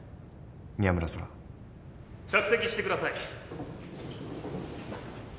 「宮村空」着席してください。